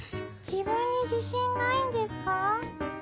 自分に自信ないんですか？